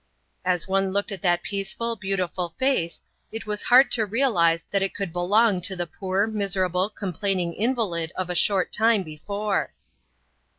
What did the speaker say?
As one looked at that peaceful, beautiful face it was hard to realize that it could belong to the poor, miserable, complaining invalid of a short time before!